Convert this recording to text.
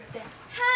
はい。